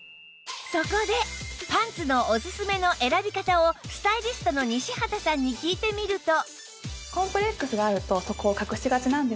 そこでパンツのおすすめの選び方をスタイリストの西畑さんに聞いてみると